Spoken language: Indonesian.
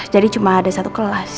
jadi cuma ada satu kelas